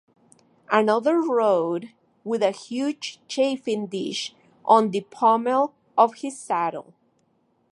Another rode with a huge chafing dish on the pommel of his saddle.